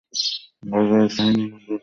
বাজারের সাইটে নদীর তীরে ইউনিয়ন অফিস।